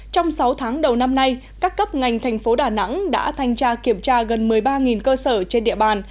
trong sáu tháng đầu năm nay các cấp ngành thành phố đà nẵng đã thanh tra kiểm tra gần một mươi ba cơ sở trên địa bàn